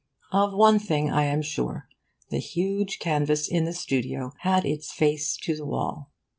Of one thing I am sure. The huge canvas in the studio had its face to the wall.